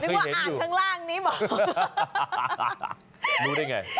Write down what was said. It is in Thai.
เคยเห็นอยู่นึกว่าอ่านข้างล่างนิ่มหรอรู้ได้ยังไง